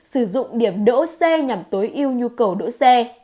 sử dụng điểm đỗ xe nhằm tối ưu nhu cầu đỗ xe